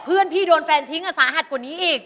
เพื่อนพี่โดนแฟนทิ้งสาหัสกว่านี้อีก